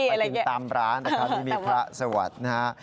ไปถึงตามร้านนะครับนี่มีพระสวัสดิ์นะฮะ